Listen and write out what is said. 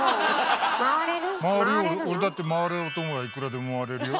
俺だって回ろうと思えばいくらでも回れるよ。